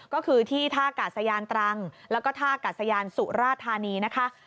ก็คือที่ท่ากาศยานตรังแล้วก็ท่ากัดสยานสุราธานีนะคะ